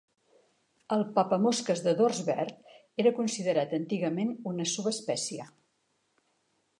El papamosques de dors verd era considerat antigament una subespècie.